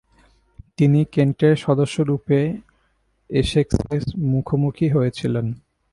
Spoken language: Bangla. তিনি কেন্টের সদস্যরূপে এসেক্সের মুখোমুখি হয়েছিলেন।